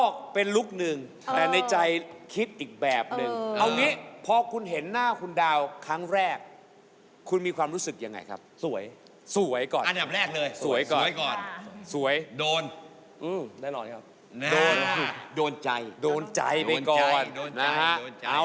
ก็เลยไม่กล้าที่จะเปิดใจเขา